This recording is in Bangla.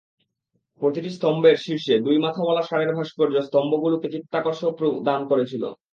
প্রতিটি স্তম্ভের শীর্ষে দুই মাথাওয়ালা ষাঁড়ের ভাস্কর্য স্তম্ভগুলোকে চিত্তাকর্ষক রূপ দান করেছিল।